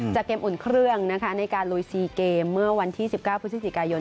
เกมอุ่นเครื่องนะคะในการลุย๔เกมเมื่อวันที่๑๙พฤศจิกายน